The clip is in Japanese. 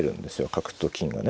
角と金がね。